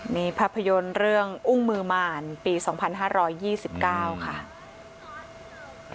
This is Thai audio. นี่ภาพยนตร์เรื่องอุ้งมือหมารปี๒๕๒๙ค่ะ